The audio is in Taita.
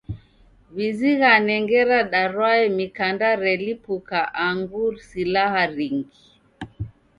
W'izighane ngera darwae mikanda relipuka angu silaha ringi.